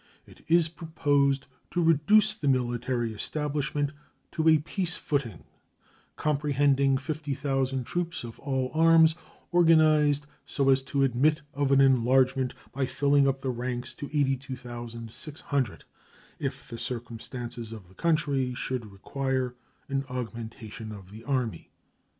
It is proposed to reduce the military establishment to a peace footing, comprehending 50,000 troops of all arms, organized so as to admit of an enlargement by filling up the ranks to 82,600 if the circumstances of the country should require an augmentation of the Army.